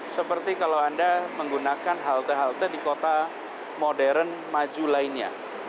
seperti kalau anda menggunakan halte halte di kota modern maju lainnya